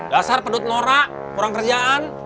dasar pedut nora kurang kerjaan